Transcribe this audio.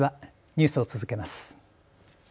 ニュースを続けます。